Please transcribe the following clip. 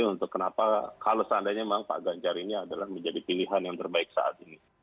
untuk kenapa kalau seandainya memang pak ganjar ini adalah menjadi pilihan yang terbaik saat ini